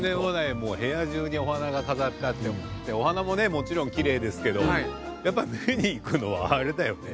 もう部屋中にお花が飾ってあってお花もねもちろんきれいですけどやっぱ目に行くのはあれだよね。